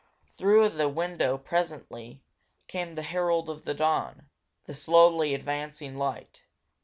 Through the window, presently, came the herald of the dawn, the slowly advancing light.